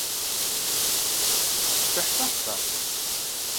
КӀыхьлъыхьщ ар…